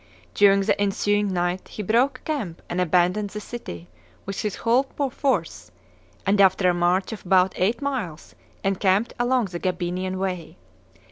During the ensuing night he broke camp and abandoned the city with his whole force, and after a march of about eight miles, encamped along the Gabinian way.